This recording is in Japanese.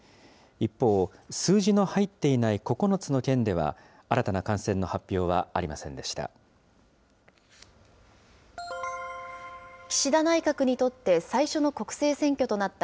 一方、数字の入っていない９つの県では、新たな感染の発表はありませんでした。